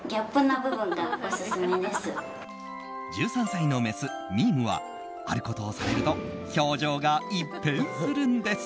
１３歳のメス、実夢はあることをされると表情が一変するんです。